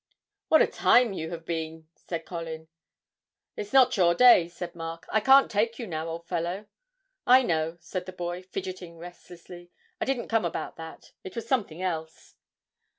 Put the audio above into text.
'What a time you have been!' said Colin. 'It's not your day,' said Mark, 'I can't take you now, old fellow.' 'I know,' said the boy, fidgetting restlessly; 'I didn't come about that it was something else.'